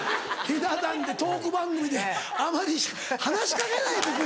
ひな壇でトーク番組で「あまり話し掛けないでくれ」。